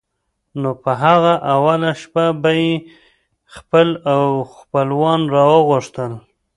نو په هغه اوله شپه به یې خپل او خپلوان را غوښتل.